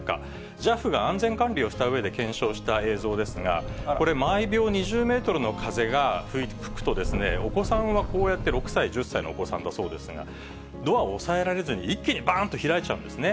ＪＡＦが安全管理をしたうえで検証した映像ですが、これ、毎秒２０メートルの風が吹くと、お子さんはこうやって６歳、１０歳のお子さんだそうですが、ドアを押さえられずに、一気にばーんと開いちゃうんですね。